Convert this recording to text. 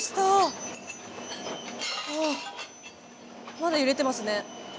まだ揺れてますね。